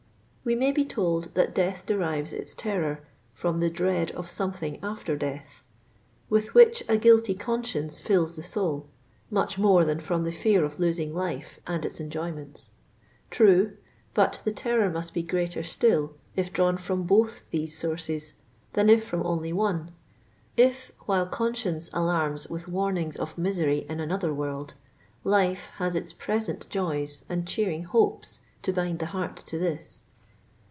We may be told that death derives its terror from the dread of something after death," with which a guilty conscience fills the soul, much more than from the fear of losing life and its en joyments. True ; but the terror must be greater still if drawn from both these sources, than if from only one ; if, while con science alarms with warnings of misery in another world, life has its present joys and cheering hopes to bind the heart to this.